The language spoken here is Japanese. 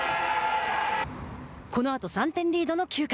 このあと３点リードの９回。